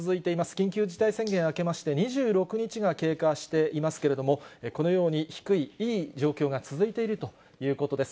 緊急事態宣言明けまして、２６日が経過していますけれども、このように低いいい状況が続いているということです。